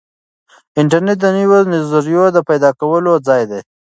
انټرنیټ د نویو نظریو د پیدا کولو ځای دی.